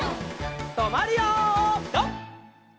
とまるよピタ！